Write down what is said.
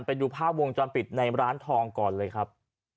ไปดูภาพวงจรปิดในร้านทองก่อนเลยครับ